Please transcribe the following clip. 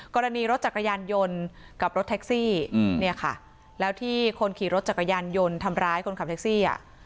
กรณีรถจักรยานยนต์กับรถแท็กซี่เนี่ยค่ะแล้วที่คนขี่รถจักรยานยนต์ทำร้ายคนขับแท็กซี่อ่ะ